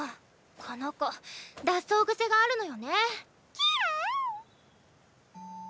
この子脱走グセがあるのよね。